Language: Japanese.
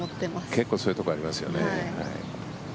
結構そういうところありますよね。